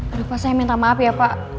aduh pak saya minta maaf ya pak